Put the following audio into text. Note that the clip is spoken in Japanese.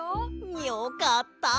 よかった！